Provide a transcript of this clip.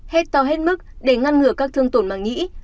hết to hết mức để ngăn ngừa các thương tổn màng nhĩ